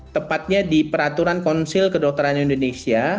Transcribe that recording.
tepatnya di peraturan konsil kedokteran indonesia